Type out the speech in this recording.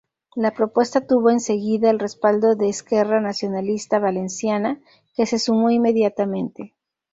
La propuesta tuvo enseguida el respaldo de Esquerra Nacionalista Valenciana, que se sumó inmediatamente.